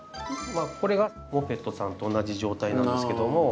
これがモペットさんと同じ状態なんですけども。